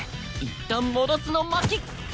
いったん戻すの巻！